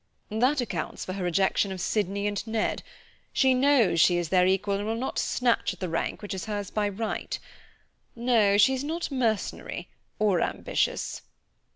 "That accounts for her rejection of Sydney and Ned: she knows she is their equal and will not snatch at the rank which is hers by right. No, she's not mercenary or ambitious."